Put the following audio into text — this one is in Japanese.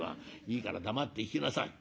いいから黙って聞きなさい。